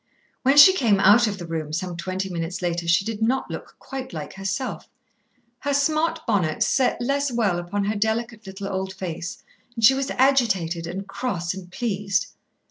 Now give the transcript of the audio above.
When she came out of the room some twenty minutes later she did not look quite like herself. Her smart bonnet set less well upon her delicate little old face, and she was agitated and cross and pleased.